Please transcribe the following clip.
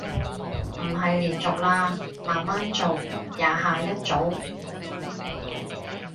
唔係連續啦，慢慢做，廿下一組